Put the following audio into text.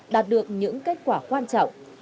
đạt được những kết quả quan trọng